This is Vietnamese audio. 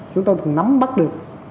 chúng tôi cũng nắm bắt được